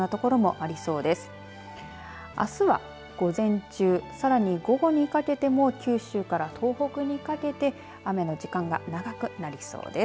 あすは午前中さらに午後にかけても九州から東北にかけて雨の時間が長くなりそうです。